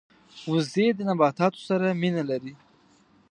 وزې د نباتاتو سره مینه لري